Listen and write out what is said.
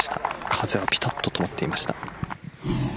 風はピタッと止まっていました。